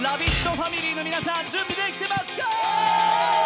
ファミリーの皆さん、準備できてますか？